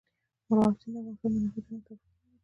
مورغاب سیند د افغانستان د ناحیو ترمنځ تفاوتونه رامنځ ته کوي.